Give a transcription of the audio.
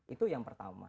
itu yang pertama